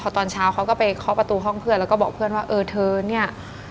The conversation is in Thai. ตอนเช้าเขาก็ไปเคาะประตูห้องเพื่อนแล้วก็บอกเพื่อนว่าเออเธอเนี่ย